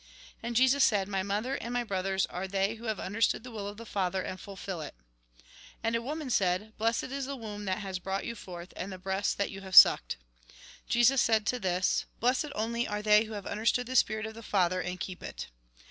And Jesus said :" My mother and my brothers are they who have understood the will of the Father, and fulfil it." And a woman said :" Blessed is the womb that has brought you forth, and the breasts that you have sucked." Jesus said to this :" Blessea only are they who have understood the spirit of the Father, and keep it."